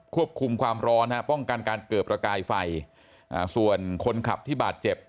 ความร้อนฮะป้องกันการเกิดประกายไฟส่วนคนขับที่บาดเจ็บ